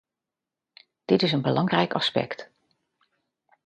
Dit is een belangrijk aspect.